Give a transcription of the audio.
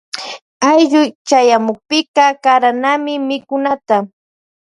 Ayllu chayamukpika karanami mikunata.